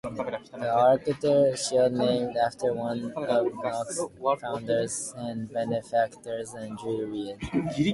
The Archer Shield, named after one of Knox's founders and benefactors, Andrew Reid.